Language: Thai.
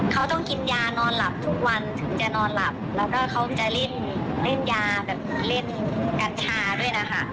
เขาต้องกินยานอนหลับทุกวันถึงจะนอนหลับแล้วก็เขาจะเล่นเล่นยาแบบเล่นกัญชาด้วยนะคะ